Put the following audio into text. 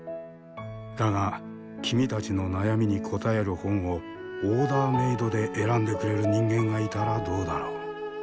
だが、君たちの悩みに答える本をオーダーメードで選んでくれる人間がいたらどうだろう？